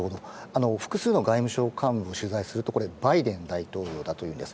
複数の外務省幹部を取材するとバイデン大統領だと言うんです。